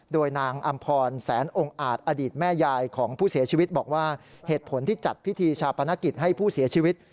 โดยนางอำพรแสนองค์อาจอดีตแม่ยายของผู้เสียชีวิตบอกว่าเหตุผลที่จัดพิธีชาปนกิจให้ผู้เสียชีวิต